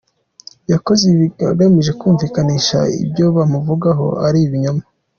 Yakoze ibi agamije kumvikanisha ko ibyo bamuvugaho ari ibinyoma.